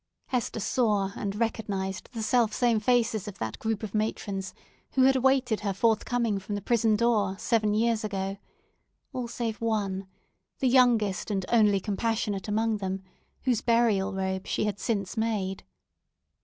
Hester saw and recognized the selfsame faces of that group of matrons, who had awaited her forthcoming from the prison door seven years ago; all save one, the youngest and only compassionate among them, whose burial robe she had since made.